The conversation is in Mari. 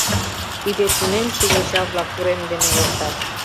Тиде тунемше йоча-влак урем дене эртат.